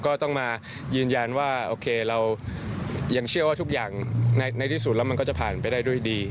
ก็ต้องมายืนยันว่าโอเคเรายังเชื่อว่าทุกอย่างในที่สุดแล้วมันก็จะผ่านไปได้ด้วยดี